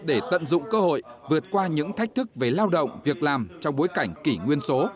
để tận dụng cơ hội vượt qua những thách thức về lao động việc làm trong bối cảnh kỷ nguyên số